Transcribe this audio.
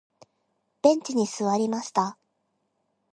ベンチに座りました。